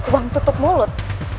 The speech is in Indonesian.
uang tutup mulut